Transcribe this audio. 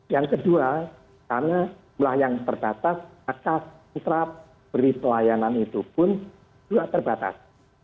yang kedua karena mulai yang terbatas akas kitab beri pelayanan itu pun juga terbatas